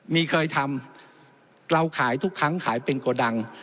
มีเคยทำเราขายทุกครั้งขายเป็นโกดัง